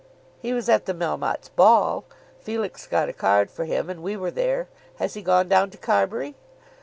"He was at the Melmottes' ball. Felix got a card for him; and we were there. Has he gone down to Carbury?"